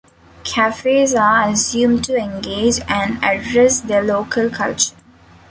Cafes are assumed to engage and address their local culture.